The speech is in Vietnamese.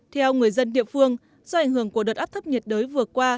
theo người dân địa phương do ảnh hưởng của đợt áp thấp nhiệt đới vừa qua